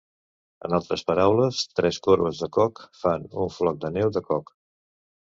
En altres paraules, tres corbes de Koch fan un floc de neu de Koch.